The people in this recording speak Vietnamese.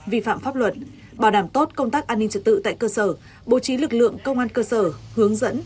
vi phạm pháp luật bảo đảm tốt công tác an ninh trật tự tại cơ sở bố trí lực lượng công an cơ sở hướng dẫn